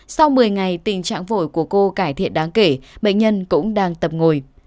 sau một mươi ngày tình trạng vội của cô cải thiện đáng kể bệnh nhân cũng đang tập ngồi